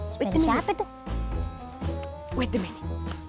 seperti siapa tuh